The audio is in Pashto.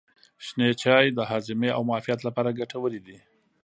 شنه چای د هاضمې او معافیت لپاره ګټور دی.